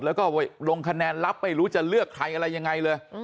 แล้วก็ลงคะแนนลับไม่รู้จะเลือกใครอะไรยังไงเลย